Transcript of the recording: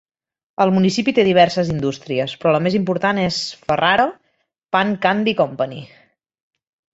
El municipi té diverses indústries, però la més important és Ferrara Pan Candy Company.